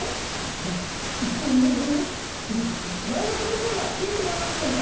いやうんうんうん。前の感じのほうがいいと思いますけどね！